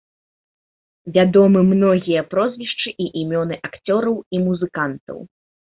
Вядомы многія прозвішчы і імёны акцёраў і музыкантаў.